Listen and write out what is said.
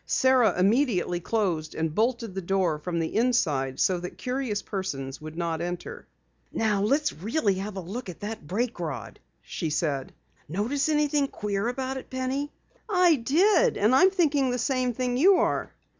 Sara immediately closed and bolted the door from the inside so that curious persons would not enter. "Now let's really have a look at that brake rod," she said. "Notice anything queer about it, Penny?" "I did, and I'm thinking the same thing you are."